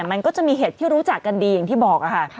มันก็จะมีเห็ดที่รู้จักกันดีอย่างที่บอกค่ะ